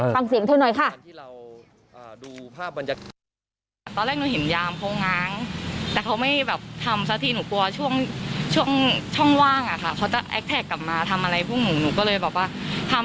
ฟังเสียงเธอหน่อยค่ะ